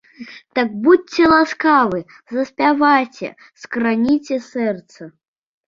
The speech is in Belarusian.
Так, будзьце ласкавы, заспявайце, скраніце сэрца.